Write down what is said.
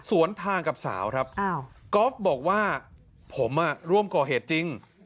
สวนทางกับสาวครับก๊อฟบอกว่าผมร่วมก่อเหตุจริง